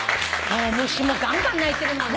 虫もがんがん鳴いてるもんね。